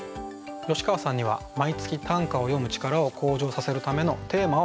吉川さんには毎月短歌を詠む力を向上させるためのテーマをご用意頂いています。